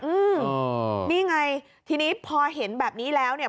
อืมนี่ไงทีนี้พอเห็นแบบนี้แล้วเนี่ย